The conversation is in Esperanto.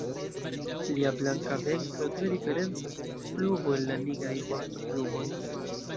Lia blanka ventro tre diferencas dum flugo el la nigraj vostoplumoj.